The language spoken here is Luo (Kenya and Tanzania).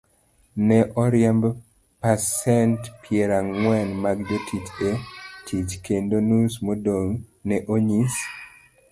Ne oriemb pasent pierang'wen mag jotich e tich, kendo nus modong' ne onyis